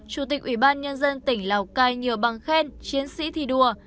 chủ tịch ủy ban nhân dân tỉnh lào cai nhiều bằng khen chiến sĩ thi đua